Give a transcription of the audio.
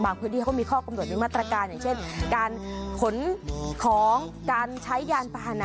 พื้นที่เขามีข้อกำหนดมีมาตรการอย่างเช่นการขนของการใช้ยานพาหนะ